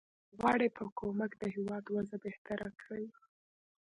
غواړي په کومک یې د هیواد وضع بهتره کړي.